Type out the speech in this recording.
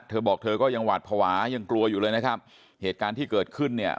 เธอบอกเธอก็ยังหวาดภาวะยังกลัวอยู่เลยนะครับเหตุการณ์ที่เกิดขึ้นเนี่ย